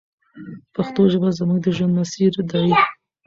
پښتو ژبه زموږ د ژوند مسیر دی.